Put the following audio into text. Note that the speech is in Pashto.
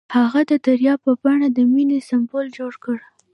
هغه د دریاب په بڼه د مینې سمبول جوړ کړ.